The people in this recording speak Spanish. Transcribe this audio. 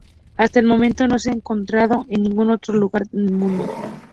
Hasta el momento no se ha encontrado en ningún otro lugar en el mundo.